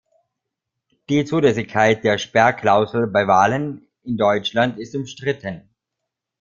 Die Zulässigkeit der Sperrklausel bei Wahlen in Deutschland ist umstritten.